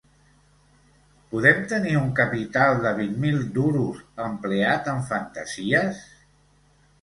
Podem tenir un capital de vint mil duros empleat en fantasíes?